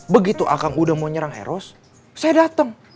begitu akang udah mau nyerang eros saya dateng